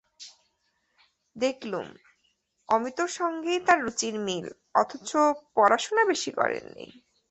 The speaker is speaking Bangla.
দেখলুম, অমিতর সঙ্গেই তাঁর রুচির মিল, অথচ পড়াশুনো বেশি করেন নি।